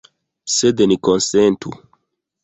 Sed ni konsentu.